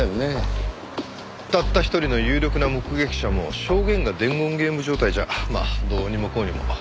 たった１人の有力な目撃者も証言が伝言ゲーム状態じゃまあどうにもこうにも。